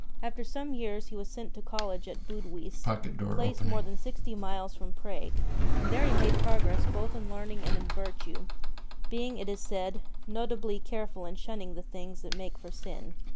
After some years he was sent to College at Budweis, a place more than sixty miles from Prague, and there he made progress both in learning and in virtue, being, it is said, notably careful in shunning the things that make for sin.